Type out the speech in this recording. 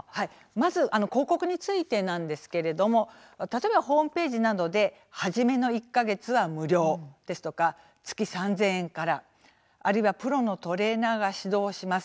まず広告についてですけれどもホームページなどで初めの１か月は無料月３０００円から、あるいはプロのトレーナーが指導します